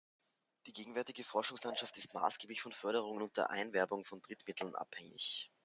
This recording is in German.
Die gegenwärtige Forschungslandschaft ist maßgeblich von Förderungen und der Einwerbung von Drittmitteln abhängig.